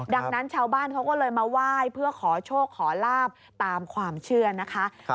ดังนั้นชาวบ้านเขาก็เลยมาไหว้เพื่อขอโชคขอลาบตามความเชื่อนะคะ